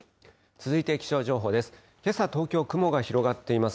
続いて気象情報です。